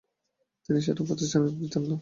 তিনি সেটা আনুষ্ঠানিকতায় রূপ দিতেন না।